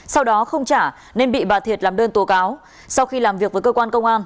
sau đó không trả nên bị bà thiệt làm đơn tố cáo sau khi làm việc với cơ quan công an